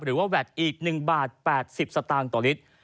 หรือว่าแวดอีก๑บาท๘๐สตางค์ต่อลิตร